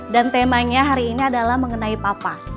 dan temanya hari ini adalah mengenai papa